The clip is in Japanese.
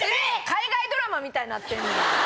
海外ドラマみたいになってんねん！